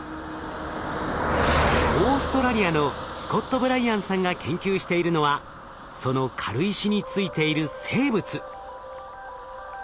オーストラリアのスコット・ブライアンさんが研究しているのはその軽石についている生物。